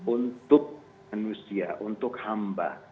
untuk manusia untuk hamba